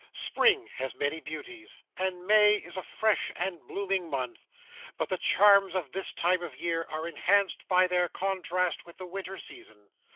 Spring has many beauties, and May is a fresh and blooming month, but the charms of this time of year are enhanced by their contrast with the winter season.